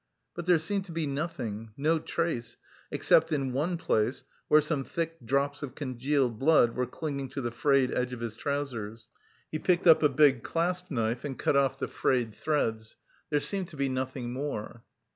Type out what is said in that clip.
But there seemed to be nothing, no trace, except in one place, where some thick drops of congealed blood were clinging to the frayed edge of his trousers. He picked up a big claspknife and cut off the frayed threads. There seemed to be nothing more.